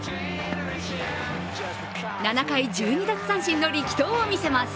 ７回１２奪三振の力投を見せます。